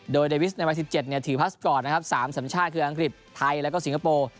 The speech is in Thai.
โดยเดวิสในวัย๑๗ถือพาสปอร์ตนะครับ๓สัญชาติคืออังกฤษไทยแล้วก็สิงคโปร์